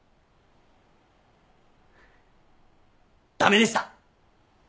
駄目でした！